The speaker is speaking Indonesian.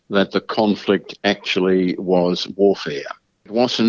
bahwa konflik itu sebenarnya adalah perang